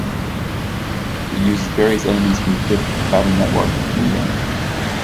It uses various elements from the fifth "Battle Network" video game.